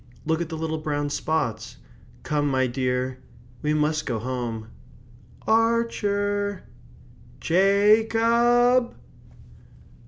Look at the little brown spots. Come, my dear. We must go home. Ar cher! Ja cob!"